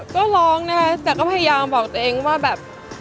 ก็ร้องนะคะแต่ก็พยายามบอกตัวเองว่าแบบ